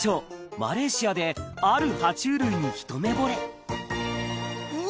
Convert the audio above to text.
マレーシアであるは虫類に一目ぼれうー